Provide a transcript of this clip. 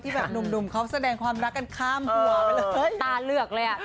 ที่แบบหนุ่มเขาแสดงความรักกันข้ามครัวไปเลย